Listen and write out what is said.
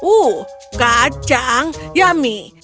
uh kacang yummy